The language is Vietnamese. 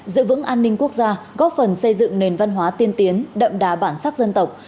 giữ vững an ninh quốc gia góp phần xây dựng nền văn hóa tiên tiến đậm đà bản sắc dân tộc